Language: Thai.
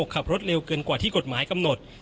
ขับรถเร็วเกินกว่าที่กฎหมายกำหนด